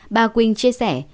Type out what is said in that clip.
bà huỳnh chia sẻ